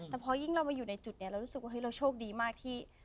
แต่พอยิ่งเรามาอยู่ในจุดนี้เรารู้สึกว่าเราโชคดีมากที่